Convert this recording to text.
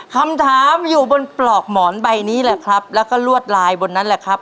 คำถามอยู่บนปลอกหมอนใบนี้แหละครับแล้วก็ลวดลายบนนั้นแหละครับ